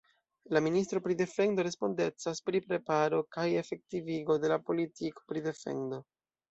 La ministro pri defendo respondecas pri preparo kaj efektivigo de la politiko pri defendo.